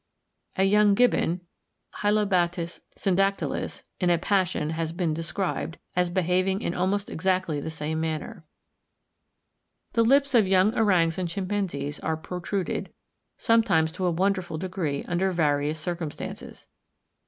A young gibbon (Hylobates syndactylus) in a passion has been described as behaving in almost exactly the same manner. The lips of young orangs and chimpanzees are protruded, sometimes to a wonderful degree, under various circumstances.